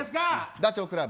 ダチョウ倶楽部。